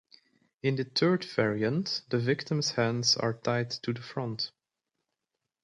In the third variant, the victim's hands are tied to the front.